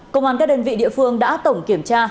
công an các đơn vị địa phương đã tổng kiểm tra